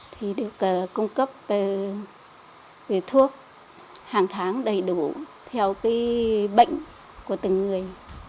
thì được cung cấp về thuốc hàng tháng đầy đủ theo cái bệnh của từng người